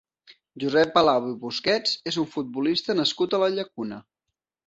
Josep Palau i Busquets és un futbolista nascut a la Llacuna.